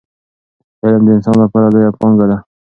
علم د انسان لپاره لویه پانګه ده.